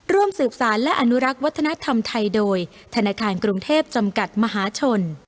ร่วมสืบสารและอนุรักษ์วัฒนธรรมไทยโดยธนาคารกรุงเทพจำกัดมหาชน